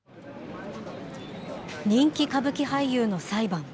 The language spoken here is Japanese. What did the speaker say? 人気歌舞伎俳優の裁判。